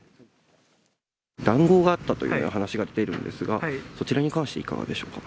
談合があったという話が出てるんですが、そちらに関していかがでしょうか。